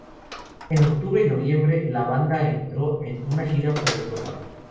En octubre y noviembre, la banda entró en un gira por Europa.